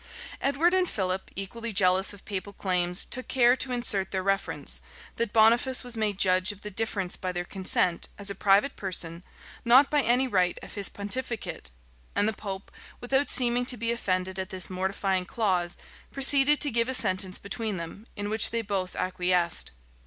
Edward and Philip, equally jealous of papal claims, took care to insert in their reference, that Boniface was made judge of the difference by their consent, as a private person, not by any right of his pontificate; and the pope, without seeming to be offended at this mortifying clause, proceeded to give a sentence between them, in which they both acquiesced.